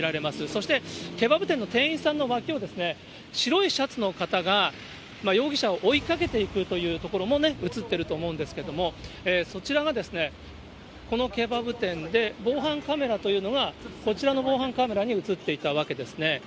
そして、ケバブ店の店員さんの脇をですね、白いシャツの方が、容疑者を追いかけていくというところもね、写ってると思うんですけどね、そちらがこのケバブ店で防犯カメラというのが、こちらの防犯カメラに写っていたわけなんですね。